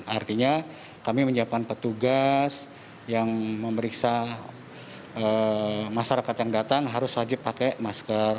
artinya kami menyiapkan petugas yang memeriksa masyarakat yang datang harus wajib pakai masker